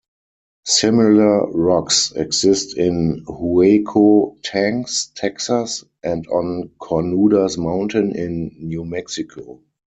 Similar rocks exist in Hueco Tanks, Texas, and on Cornudas Mountain in New Mexico.